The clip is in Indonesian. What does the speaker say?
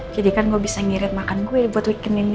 jadi kan gua bisa ngirit makan gue buat weekend ini